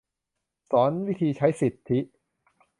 สอนวิธีใช้สิทธิ